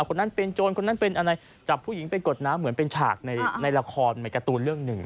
คนนั้นเป็นโจรคนนั้นเป็นอะไรจับผู้หญิงไปกดน้ำเหมือนเป็นฉากในละครใหม่การ์ตูนเรื่องหนึ่ง